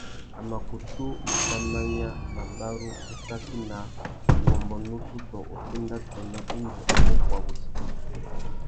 A mà kutu mù fá manya, mabarú, ussaki naā, uwômbô nutu tô uffénda tsônô indi a mù bwa wussi.